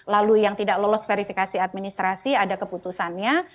lalu yang tidak lolos verifikasi administrasi ada keputusannya